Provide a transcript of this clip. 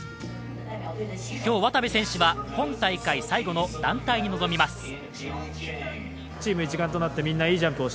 今日、渡部選手は今大会最後の団体に挑みます。